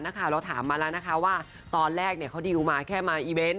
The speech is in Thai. นักข่าวเราถามมาแล้วนะคะว่าตอนแรกเขาดิวมาแค่มาอีเวนต์